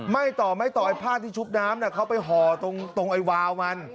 ไม่ต่อไม่ต่อไอ้ผ้าที่ชุบน้ำเขาไปห่อตรงไอ้วาวมัน